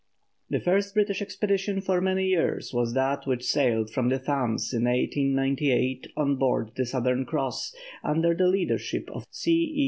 The first British expedition for many years was that which sailed from the Thames in 1898 on board the Southern Cross, under the leadership of C. E.